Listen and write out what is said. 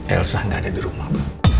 elsa tidak ada di rumah